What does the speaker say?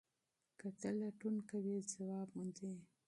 که ته لټون کوې ځواب موندې.